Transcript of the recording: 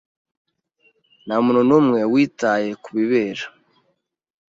Ntamuntu numwe witaye kubibera .